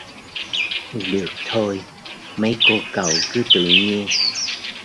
Được thôi mấy cô cậu cứ tự nhiên